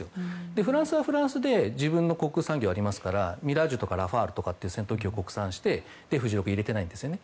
フランスはフランスで自分の航空産業があるのでミラージュとかラファールとかっていう戦闘機を国産してＦ１６を入れていないんですね。